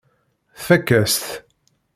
Tfakk-as-t.